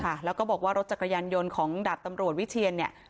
ค่ะแล้วก็บอกว่ารถจักรยานยนต์ของดาบตำรวจวิเทียนเนี่ย